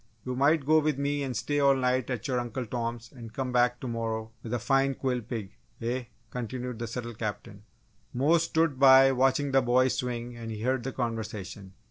You might go with me and stay all night at your Uncle Tom's and come back to morrow with a fine quill pig, eh?" continued the subtle Captain. Mose stood by watching the boys swing and he heard the conversation.